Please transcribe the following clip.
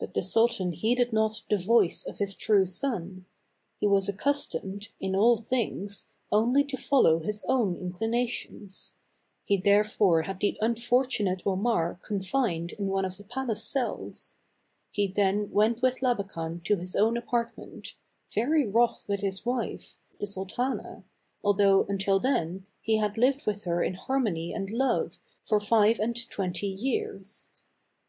But the sultan heeded not the voice of his true son; he was accustomed, in all things, only to follow hjs own inclinations. He therefore had 208 THE CAB AVAN. the unfortunate Omar confined in one of the palace cells. He then went with Labakan to his own apartment, very wroth with his wife, the sultana, although, until then, he had lived with her in harmony and love for five and twenty years.